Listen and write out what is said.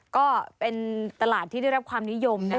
ก็เป็นตลาดที่ได้รับความนิยมนะคะ